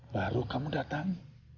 baru kamu datang